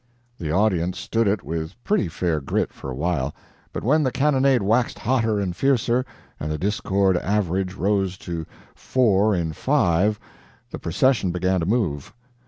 The audience stood it with pretty fair grit for a while, but when the cannonade waxed hotter and fiercer, and the discord average rose to four in five, the procession began to move.